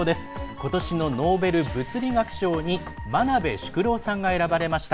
ことしのノーベル物理学賞に真鍋淑郎さんが選ばれました。